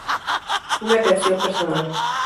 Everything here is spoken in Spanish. Una canción personal"".